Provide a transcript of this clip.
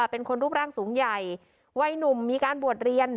เป็นคนรูปร่างสูงใหญ่วัยหนุ่มมีการบวชเรียน